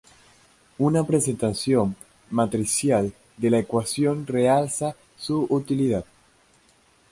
Una presentación matricial de la ecuación realza su utilidad.